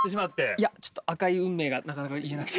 いやちょっと「赤い運命」がなかなか言えなくて。